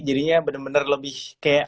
jadinya bener bener lebih kayak